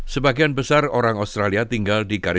sebagian besar orang australia tinggal di garis pantai